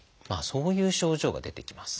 そういう症状が出てきます。